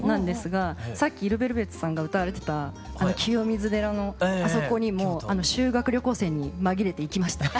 さっきＬＥＶＥＬＶＥＴＳさんが歌われてた清水寺のあそこにも修学旅行生に紛れて行きました。